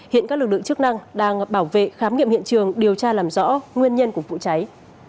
hiện các lực lượng chức năng đang bảo vệ khám nghiệm hiện trường điều tra làm rõ nguyên nhân của vụ cháy